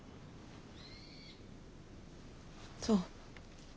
そう。